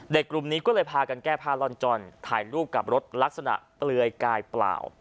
กลุ่มนี้ก็เลยพากันแก้ผ้าล่อนจ้อนถ่ายรูปกับรถลักษณะเปลือยกายเปล่า